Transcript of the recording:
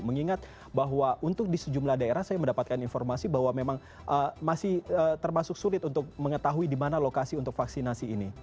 mengingat bahwa untuk di sejumlah daerah saya mendapatkan informasi bahwa memang masih termasuk sulit untuk mengetahui di mana lokasi untuk vaksinasi ini